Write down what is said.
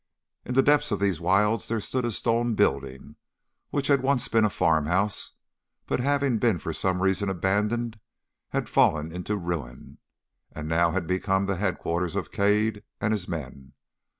"In the depths of these wilds there stood a stone building which had once been a farm house, but having been for some reason abandoned had fallen into ruin, and had now become the headquarters of Cade and his men.